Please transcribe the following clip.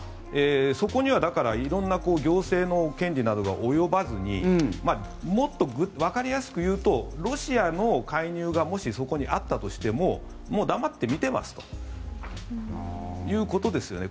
そこにはだから色んな行政の権利などが及ばずにもっとわかりやすく言うとロシアの介入がもし、そこにあったとしても黙って見ていますということです。